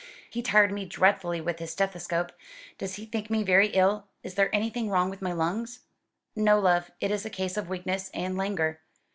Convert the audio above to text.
"He tired me dreadfully with his stethoscope. Does he think me very ill? Is there anything wrong with my lungs?" "No, love. It is a case of weakness and languor.